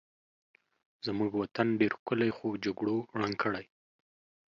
زمونږ وطن ډېر ښکلی خو جګړو ړنګ کړی